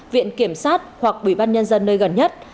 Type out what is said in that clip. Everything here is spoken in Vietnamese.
viện kiểm sát hoặc ủy ban nhân dân nơi gần nhất